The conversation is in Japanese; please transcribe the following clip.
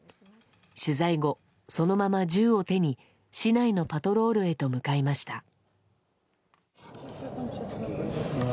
取材後、そのまま銃を手に市内のパトロールへと向かいました。